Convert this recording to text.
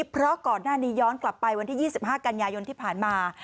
เพราะก่อนหน้านี้ย้อนกลับไปวันที่๒๕กันยายนที่ผ่านมา